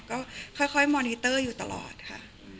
ก็ค่อยมอนิเตอร์อยู่ตลอดค่ะ